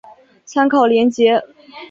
参考连结